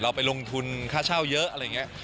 ไปลงทุนค่าเช่าเยอะอะไรอย่างนี้